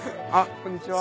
こんにちは。